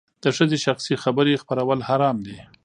د ښځې شخصي خبرې خپرول حرام دي.